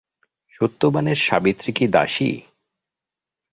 সত্যবানের সাবিত্রী কি দাসী?